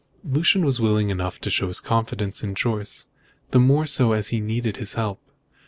Lucian was willing enough to show his confidence in Jorce, the more so as he needed his help.